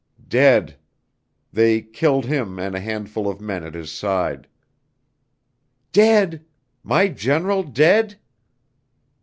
"Dead. They killed him and a handful of men at his side." "Dead my general dead?"